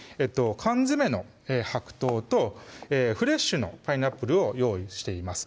缶詰の白桃とフレッシュのパイナップルを用意しています